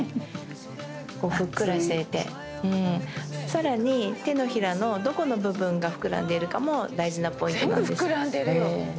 さらに手のひらのどこの部分が膨らんでいるかも大事なポイントなんです。